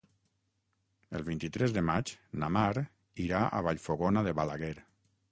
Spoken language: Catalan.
El vint-i-tres de maig na Mar irà a Vallfogona de Balaguer.